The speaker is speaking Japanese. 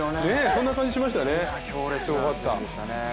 そんな感じがしましたよね。